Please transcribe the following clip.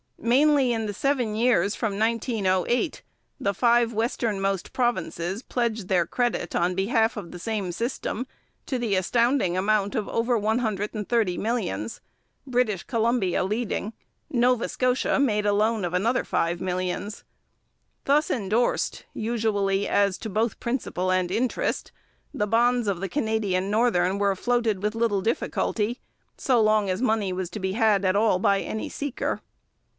Mainly in the seven years from 1908, the five westernmost provinces pledged their credit on behalf of the same system to the astounding amount of over one hundred and thirty millions, British Columbia leading; Nova Scotia made a loan of another five millions. Thus endorsed, usually as to both principal and interest, the bonds of the Canadian Northern were floated with little difficulty, so long as money was to be had at all by any seeker.